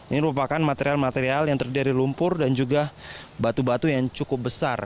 ini merupakan material material yang terdiri dari lumpur dan juga batu batu yang cukup besar